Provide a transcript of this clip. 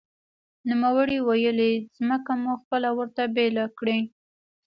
نوموړي ویلي، ځمکه مو خپله ورته بېله کړې